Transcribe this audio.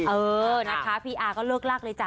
เออนะคะพี่อาก็เลิกลากเลยจ้